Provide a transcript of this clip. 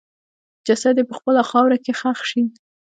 جسد یې په خپله خاوره کې ښخ شي.